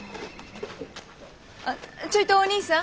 あちょいとおにいさん。